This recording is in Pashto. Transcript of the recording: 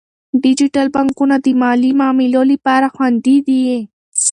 ډیجیټل بانکونه د مالي معاملو لپاره خوندي دي.